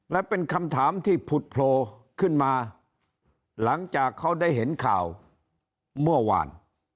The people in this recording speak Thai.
และเป็นคำถามที่ผุดโผล่ขึ้นมาหลังจากเขาได้เห็นข่าวเมื่อวาน